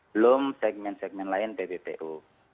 belum segmen segmen lain tbpu